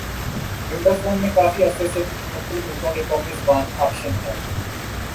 window phone میں کافی عرصے سے مختلف ملکوں کی قومی زبان آپشن ہے